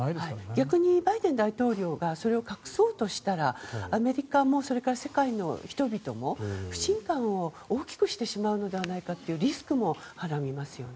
逆にバイデン大統領がそれを隠そうとしたらアメリカも世界の人々も不信感を大きくしてしまうのではないかというリスクもはらみますね。